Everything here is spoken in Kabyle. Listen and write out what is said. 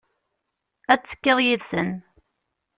Ad tekkiḍ yid-sen.